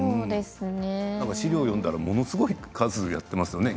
資料、読んだらものすごい数やってますよね